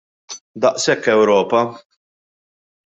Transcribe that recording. Daqshekk Ewropa!